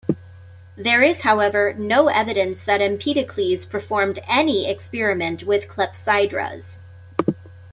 There is however, no evidence that Empedocles performed any experiment with clepsydras.